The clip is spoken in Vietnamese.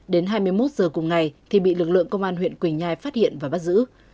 đến hai mươi một giờ cùng ngày thì bị lực lượng công an huyện quỳnh nhai phát hiện và bắt giữ